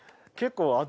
結構。